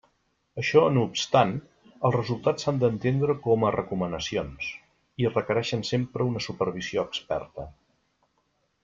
Això no obstant, els resultats s'han d'entendre com a recomanacions, i requereixen sempre una supervisió experta.